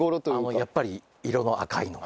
やっぱり色の赤いのが。